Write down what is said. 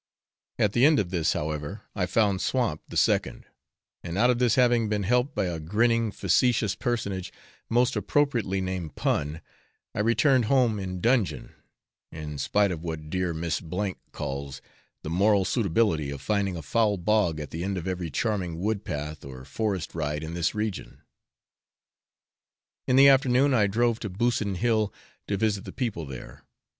At the end of this, however, I found swamp the second, and out of this having been helped by a grinning facetious personage, most appropriately named Pun, I returned home in dudgeon, in spite of what dear Miss M calls the 'moral suitability' of finding a foul bog at the end of every charming wood path or forest ride in this region. In the afternoon, I drove to Busson Hill, to visit the people there.